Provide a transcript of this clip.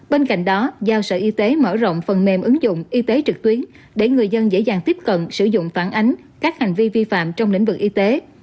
bên cạnh đó giao sở y tế mở rộng phần mềm ứng dụng y tế trực tuyến để người dân dễ dàng tiếp cận sử dụng phản ánh các hành vi vi phạm trong lĩnh vực y tế